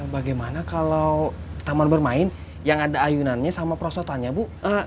bagaimana kalau taman bermain yang ada ayunannya sama prosotannya bu